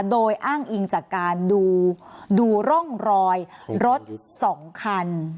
โดยอ้างอิงจากการดูร่องรอยรถ๒คัน